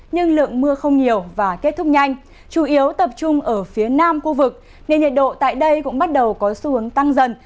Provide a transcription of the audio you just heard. nhưng lượng mưa không nhiều và kết thúc nhanh chủ yếu tập trung ở phía nam khu vực nên nhiệt độ tại đây cũng bắt đầu có xu hướng tăng dần